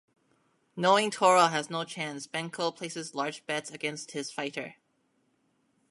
Knowing Toro has no chance, Benko places large bets against his fighter.